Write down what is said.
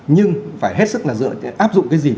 nhưng phải hết sức áp dụng cái gì